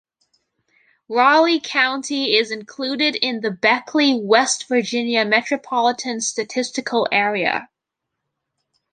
Raleigh County is included in the Beckley, West Virginia Metropolitan Statistical Area.